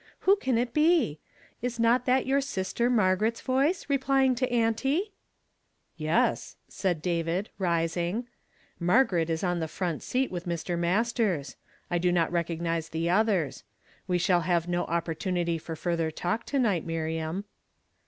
Who can it be ? Is not that your sister Margaret's voice, replying to auntie ?'" Yes," said David, rising ;" Margaret is on the front seat, with Mr. Mastei s. I do not recognize the othei s. We shall have no opportunity for further talk to night, Miriam."